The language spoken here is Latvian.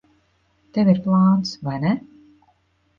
Tev ir plāns, vai ne?